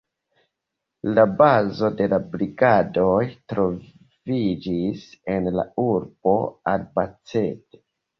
La bazo de la Brigadoj troviĝis en la urbo Albacete.